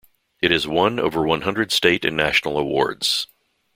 It has won over one hundred state and national awards.